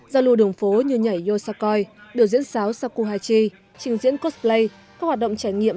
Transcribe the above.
giao lưu đường phố như nhảy yosakoy biểu diễn sáo sakuhachi trình diễn cosplay các hoạt động trải nghiệm